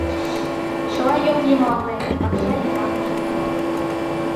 Чыла йол йымалне, пакча йыраҥыште, уло!